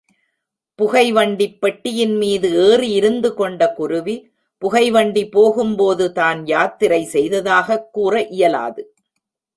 புகை வண்டிப் பெட்டியின் மீது ஏறி இருந்துகொண்ட குருவி, புகைவண்டி போகும்போது தான் யாத்திரை செய்ததாகக் கூற இயலாது.